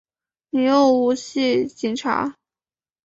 你又唔系警察！